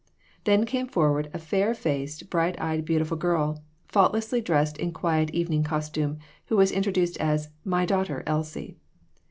Then came forward a fair faced, bright eyed, beautiful girl, faultlessly dressed in quiet evening costume, who was introduced as "My daughter, Elsie."